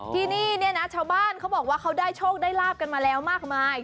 ที่นี่เนี่ยนะชาวบ้านเขาบอกว่าเขาได้โชคได้ลาบกันมาแล้วมากมาย